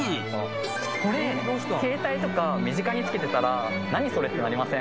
これ携帯とか身近につけてたら何それ？ってなりません？